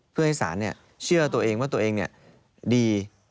เพื่อให้ศาลเชื่อตัวเองว่าตัวเองดี